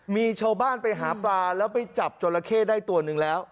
มีชาวบ้านไปหาปลาแล้วไปจับจราเข้ได้ตัวหนึ่งแล้ว